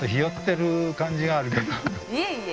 いえいえ